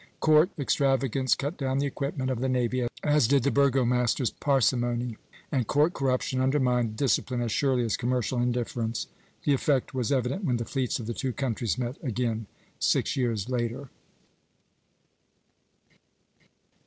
Court extravagance cut down the equipment of the navy as did the burgomaster's parsimony, and court corruption undermined discipline as surely as commercial indifference. The effect was evident when the fleets of the two countries met again, six years later.